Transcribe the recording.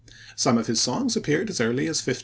Some of his songs appeared as early as 1591.